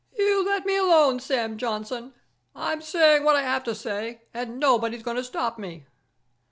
"You let me alone, Sam Johnson! I'm saying what I have to say, and nobody's going to stop me.